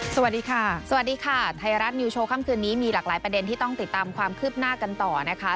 สวัสดีค่ะสวัสดีค่ะไทยรัฐนิวโชว์ค่ำคืนนี้มีหลากหลายประเด็นที่ต้องติดตามความคืบหน้ากันต่อนะคะ